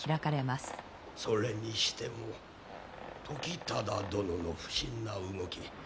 それにしても時忠殿の不審な動き